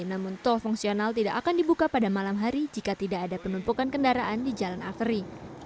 namun tol fungsional tidak akan dibuka pada malam hari jika tidak ada penumpukan kendaraan di jalan afri